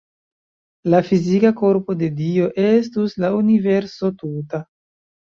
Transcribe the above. La fizika korpo de Dio estus la universo tuta.